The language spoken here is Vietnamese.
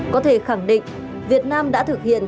có thể khẳng định việt nam đã thực hiện